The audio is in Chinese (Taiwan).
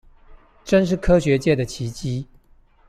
真是科學界的奇蹟